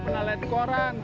pernah lihat koran